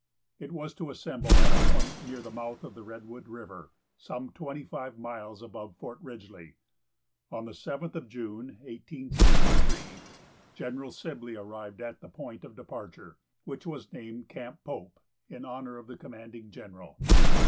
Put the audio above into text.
It was to assemble at a point near the mouth of the Redwood river, some twenty five miles above Fort Ridgely. On the 7th of June, 1863, General Sibley arrived at the point of departure, which was named Camp Pope, in honor of the commanding general.